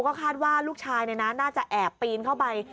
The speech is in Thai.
ก็คาดว่าลูกชายน่าจะแอบปีนเข้าไป